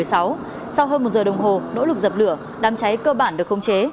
sau hơn một giờ đồng hồ nỗ lực dập lửa đám cháy cơ bản được khống chế